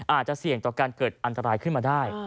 อาจจะเสี่ยงต่อการเกิดอันตรายขึ้นมาได้